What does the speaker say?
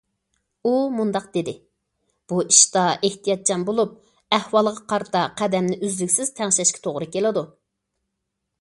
ئۇ مۇنداق دېدى: بۇ ئىشتا ئېھتىياتچان بولۇپ، ئەھۋالغا قارىتا قەدەمنى ئۈزلۈكسىز تەڭشەشكە توغرا كېلىدۇ.